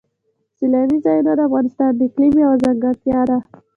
سیلاني ځایونه د افغانستان د اقلیم یوه ځانګړتیا ده.